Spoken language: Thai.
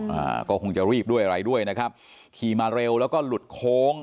อ่าก็คงจะรีบด้วยอะไรด้วยนะครับขี่มาเร็วแล้วก็หลุดโค้ง